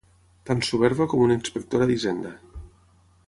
Tan superba com una inspectora d'Hisenda.